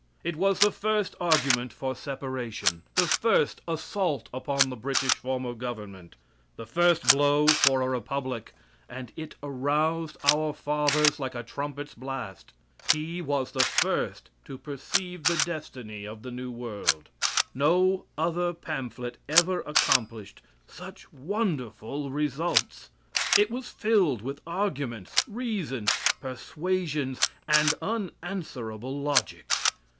It was the first argument for separation; the first assault upon the British form of government; the first blow for a republic, and it aroused our fathers like a trumpet's blast. He was the first to perceive the destiny of the new world. No other pamphlet ever accomplished such wonderful results. It was filled with arguments, reasons, persuasions, and unanswerable logic.